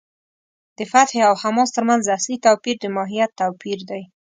د فتح او حماس تر منځ اصلي توپیر د ماهیت توپیر دی.